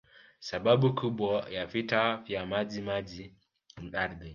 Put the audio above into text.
sababu kubwa ya vita vya majimaji ni ardhi